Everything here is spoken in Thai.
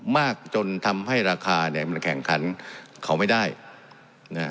มากจนทำให้ราคาเนี่ยมันแข่งขันเขาไม่ได้นะฮะ